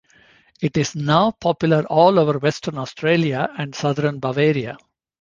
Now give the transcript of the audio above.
It is now popular all over western Austria and southern Bavaria.